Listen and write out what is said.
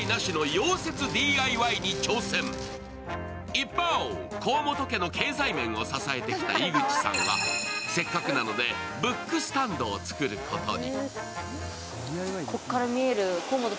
一方、河本家の経済面を支えてきた井口さんはせっかくなのでブックスタンドを作ることに。